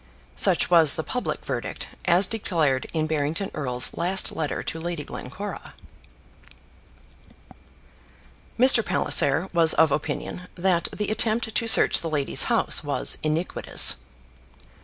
Such was the public verdict, as declared in Barrington Erle's last letter to Lady Glencora. Mr. Palliser was of opinion that the attempt to search the lady's house was iniquitous.